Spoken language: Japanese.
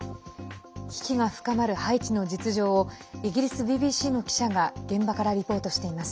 危機が深まるハイチの実情をイギリスＢＢＣの記者が現場からリポートしています。